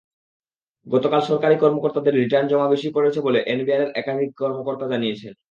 গতকাল সরকারি কর্মকর্তাদের রিটার্ন জমা বেশি পড়েছে বলে এনবিআরের একাধিক কর্মকর্তা জানিয়েছেন।